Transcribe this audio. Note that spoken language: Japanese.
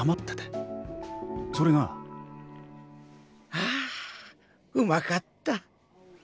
ああうまかった！